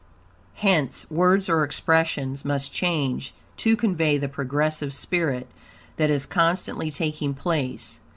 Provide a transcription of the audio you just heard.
Hence, words or expressions must change, to convey the progressive spirit, that is constantly taking place.